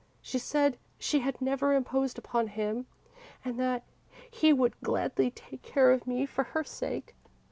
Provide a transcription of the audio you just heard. She said she had never imposed upon him and that he would gladly take care of me, for her sake.